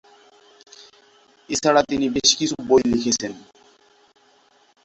এছাড়া তিনি বেশ কিছু বই লিখেছেন।